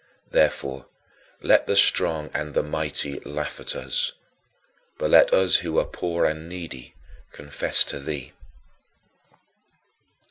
Therefore, let the strong and the mighty laugh at us, but let us who are "poor and needy" confess to thee.